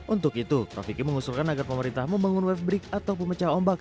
untuk itu profiki mengusulkan agar pemerintah membangun web break atau pemecah ombak